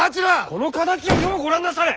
この形をようご覧なされ！